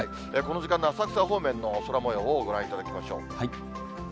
この時間の浅草方面の空もようをご覧いただきましょう。